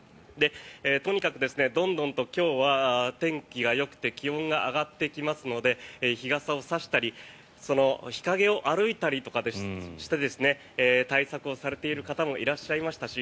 とにかくどんどんと今日は天気がよくて気温が上がっていきますので日傘を差したり日陰を歩いたりして対策をされている方もいらっしゃいましたし